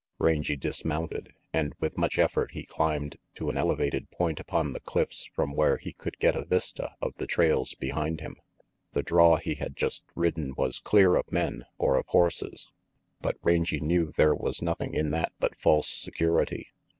Rangy dismounted, and with much effort he climbed to an elevated point upon the cliffs from where he could get a vista of the trails behind him. The draw he had just ridden was clear of men or of horses, but Rangy knew there was nothing in that but false security.